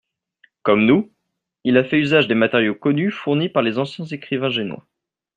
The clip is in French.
Comme nous, il a fait usage des matériaux connus fournis par les anciens écrivains génois.